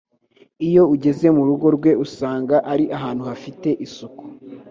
Iyo ugeze mu rugo rwe usanga ari ahantu hafite isuku